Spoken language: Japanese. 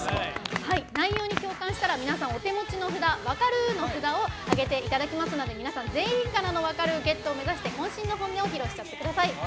内容に共感したら皆さん、お手持ちの札「わかるう」の札を上げていただきますので皆さん、全員からの「わかるう」ゲット目指してこん身の本音を披露しちゃってください。